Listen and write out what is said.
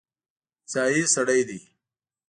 ځايي سړی دی.